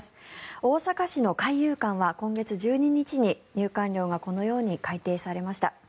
大阪市の海遊館は今月１２日に入館料がこのように改定されました。